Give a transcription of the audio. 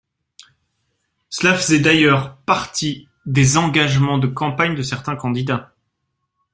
Cela faisait d’ailleurs partie des engagements de campagne de certains candidats.